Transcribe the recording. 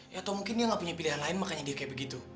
atau mungkin dia nggak punya pilihan lain makanya dia kayak begitu